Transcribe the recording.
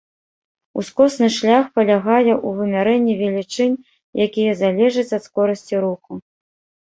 Ускосны шлях палягае ў вымярэнні велічынь, якія залежаць ад скорасці руху.